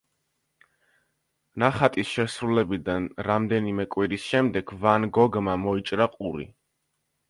ნახატის შესრულებიდან რამდენიმე კვირის შემდეგ, ვან გოგმა მოიჭრა ყური.